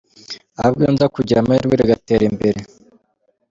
Ahubwo iyo nza kugira amahirwe rigatera imbere.